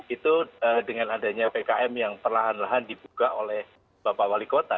itu dengan adanya pkm yang perlahan lahan dibuka oleh bapak wali kota